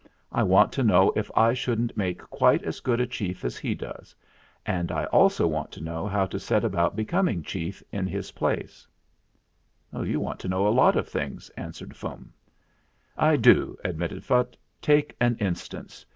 I want to know if I shouldn't make quite as good a chief as he does ; and I also want to know how to set about becoming chief in his place." THE MAKING OF THE CHARM 25 "You want to know a lot of things," an swered Fum. "I do," admitted Phutt. "Take an instance.